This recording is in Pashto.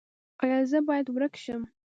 ایا زه باید ورک شم؟